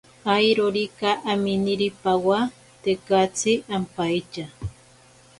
Airorika aminiri pawa tekatsi ampaitya.